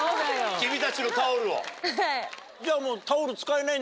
君たちのタオルを。